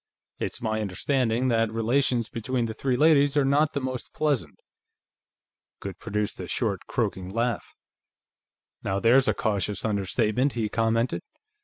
It's my understanding that relations between the three ladies are not the most pleasant." Goode produced a short, croaking laugh. "Now there's a cautious understatement," he commented.